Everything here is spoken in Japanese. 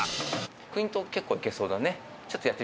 クイント、結構いけそうだね。